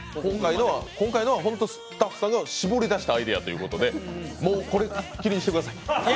今回のは本当にスタッフさんが絞り出したアイデアということでもうこれっきりにしてください。